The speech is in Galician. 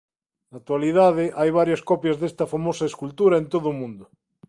Na actualidade hai varias copias desta famosa escultura en todo o mundo.